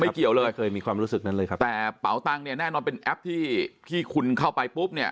ไม่เกี่ยวเลยไม่เคยมีความรู้สึกแต่ป่าวตังเนี่ยแน่นอนเป็นแอพที่คุณเข้าไปปุ๊บ